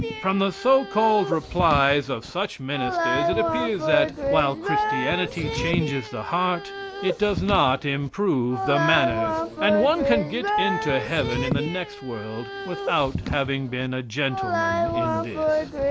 From the so called "replies" of such ministers it appears that, while Christianity changes the heart, it does not improve the manners, and one can get into Heaven in the next world without having been a gentleman in this.